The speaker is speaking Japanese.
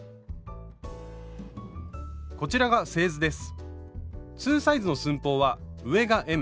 こちらが製図です。